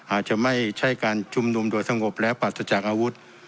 อาจจะไม่ใช่การชุมนุมโดยสงบและปราศจากอาวุธ